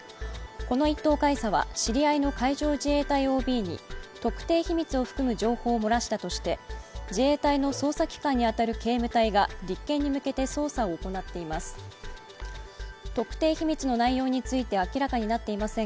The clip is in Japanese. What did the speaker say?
この１等海佐は知り合いの海上自衛隊ＯＢに特定秘密の含む情報を漏らしたとして自衛隊の捜査機関に当たる警務隊が立件に向けて捜査を行っています。